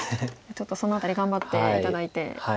ちょっとその辺り頑張って頂いて。